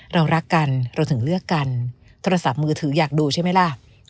เรารักกันเราถึงเลือกกันโทรศัพท์มือถืออยากดูใช่ไหมล่ะ